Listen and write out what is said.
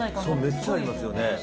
めっちゃありますよね。